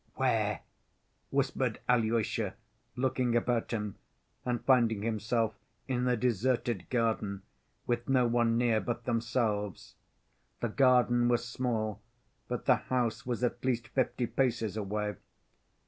"Where?" whispered Alyosha, looking about him and finding himself in a deserted garden with no one near but themselves. The garden was small, but the house was at least fifty paces away.